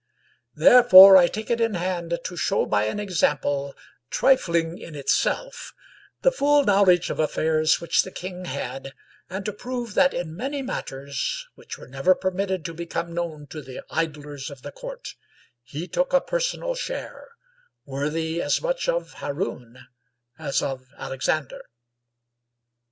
Therefore, I take it in hand to show by an example, trifling in itself^ the full knowledge of affairs which the king had, and to prove that in many matters, which were never permitted to become known to the idlers of the court, he took a per sonal share, worthy as much of Haroun as of Alexander.